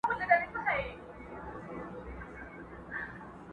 د منصور د حق نارې ته غرغړه له کومه راوړو،